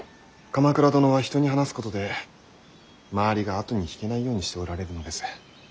鎌倉殿は人に話すことで周りが後に引けないようにしておられるのです。